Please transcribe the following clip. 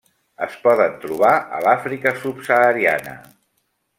Es poden trobar a l'Àfrica subsahariana.